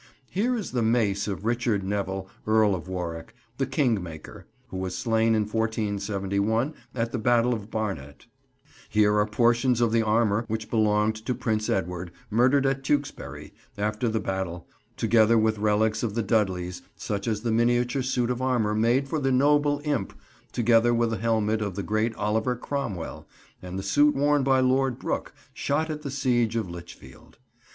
Here is the mace of Richard Neville, Earl of Warwick, "the Kingmaker," who was slain in 1471 at the Battle of Barnet; here are portions of the armour which belonged to Prince Edward, murdered at Tewkesbury, after the battle; together with relics of the Dudleys, such as the miniature suit of armour made for the "noble Impe"; together with a helmet of the great Oliver Cromwell, and the suit worn by Lord Brooke, shot at the siege of Lichfield.